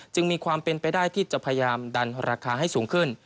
มีความเป็นไปได้ที่จะพยายามดันราคาให้สูงขึ้น